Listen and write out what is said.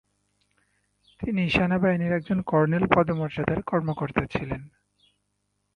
তিনি সেনাবাহিনীর একজন কর্নেল পদমর্যাদার কর্মকর্তা ছিলেন।